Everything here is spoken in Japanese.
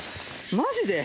マジで！？